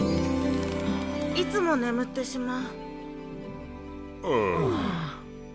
いつも眠ってしまう。